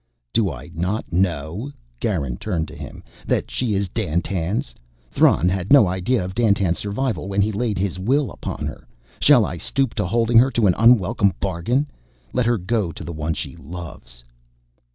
"Do I not know," Garin turned to him, "that she is Dandtan's. Thran had no idea of Dandtan's survival when he laid his will upon her. Shall I stoop to holding her to an unwelcome bargain? Let her go to the one she loves...."